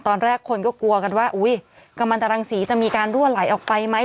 ตอนแรกคนก็กลัวกันว่าอุ้ยกำลังตรังสีจะมีการรั่วไหลออกไปไหม